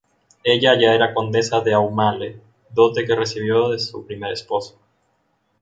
Ella ya era condesa de Aumale, dote que recibió de su primer esposo.